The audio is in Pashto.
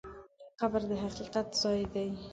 قبر د حقیقت ځای دی.